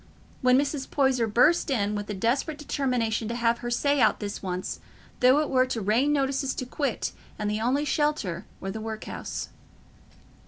when Mrs. Poyser burst in with the desperate determination to have her say out this once, though it were to rain notices to quit and the only shelter were the work house.